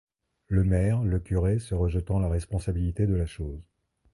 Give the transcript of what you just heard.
Le maire, le curé se rejetant la responsabilité de la chose.